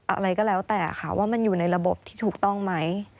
อะไรก็แล้วแต่ค่ะว่ามันอยู่ในระบบที่ถูกต้องไหม